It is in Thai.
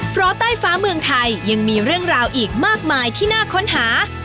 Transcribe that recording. เพราะใต้ฟ้าเมืองไทยยังมีเรื่องราวอีกมากมายที่น่าค้นหา